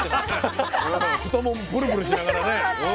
太ももブルブルしながらね。